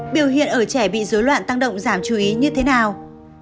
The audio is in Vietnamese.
biểu hiện ở trẻ bị dối loạn tăng động giảm chú ý như thế nào